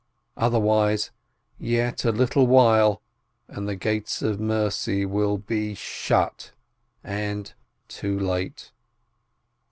. otherwise, yet a little while, and the gates of mercy will be shut and ... too late